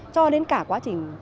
cho đến cả quá trình